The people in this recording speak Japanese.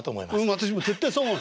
私も絶対そう思う。